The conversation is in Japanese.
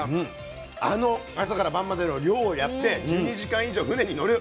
あの朝から晩までの漁をやって１２時間以上船に乗る。